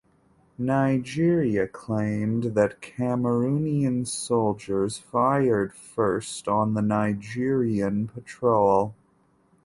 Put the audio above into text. Nigeria claimed that Cameroonian soldiers fired first on the Nigerian patrol.